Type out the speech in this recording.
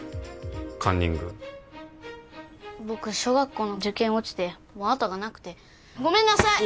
カンニング僕小学校の受験落ちてもう後がなくてごめんなさい！